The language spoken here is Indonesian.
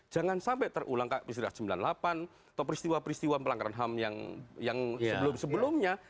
jangan sampai terulang kayak seribu sembilan ratus sembilan puluh delapan atau peristiwa peristiwa pelanggaran ham yang sebelumnya